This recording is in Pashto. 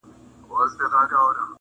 • پښتنې سترګي دي و لیدې نرګسه,